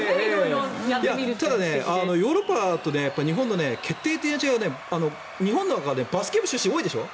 ただ、ヨーロッパと日本の決定的な違いは日本なんかバスケ部出身多いでしょ。